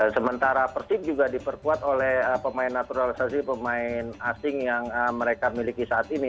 sementara persib juga diperkuat oleh pemain naturalisasi pemain asing yang mereka miliki saat ini